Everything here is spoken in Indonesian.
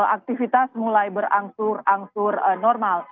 aktivitas mulai berangsur angsur normal